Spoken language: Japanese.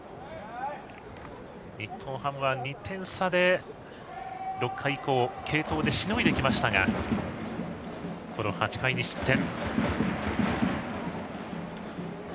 日本ハムは２点差で６回以降継投でしのいできましたがこの８回、２失点。